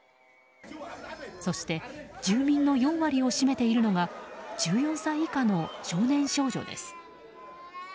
そして、住民の４割を占めているのが１４歳以下の少年少女です。